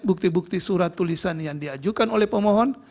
bukti bukti surat tulisan yang diajukan oleh pemohon